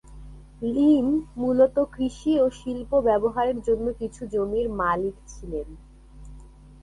Lim মূলত কৃষি ও শিল্প ব্যবহারের জন্য কিছু জমির মালিক ছিলেন।